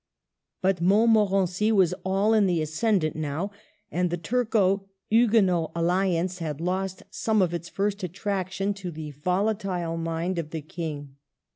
But Montmorency was all in the ascendant now, and the Turco Huguenot alliance had lost some of its first attraction to the volatile mind of the King.